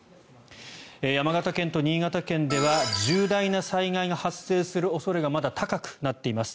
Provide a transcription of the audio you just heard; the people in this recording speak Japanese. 山形県と新潟県では重大な災害が発生する恐れがまだ高くなっています。